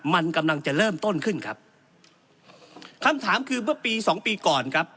มันกำลังจะเริ่มต้นขึ้นครับคำถามคือเมื่อปีสองปีก่อนครับ